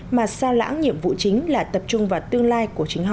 mà xa lãng nhiệm vụ chính là tập trung vào tương lai của chính họ